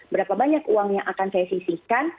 berapa banyak uang yang akan saya sisihkan